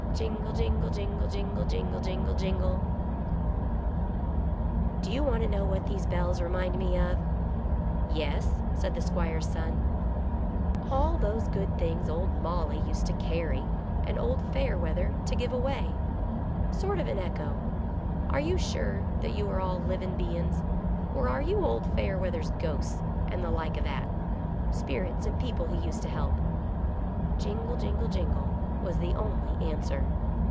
Jingle, jingle, jingle, jingle, Jingle, jingle, jingle /" Do you want to know what these bells remind me of.?" "Yes," said the 'Squire's son. GOOD LUCK. 67 " All those good things old Molly used to carry, and old Fayerweather to give away. Sort of an echo — are you sure that you are all livin' bein's, or are you old Fayerweather's ghosts, and the like o' that ? Spirits of people he used to help ?" Jingle, jingle, j ingle',' was the only answer.